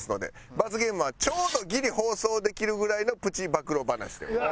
罰ゲームはちょうどギリ放送できるぐらいのプチ暴露話でございます。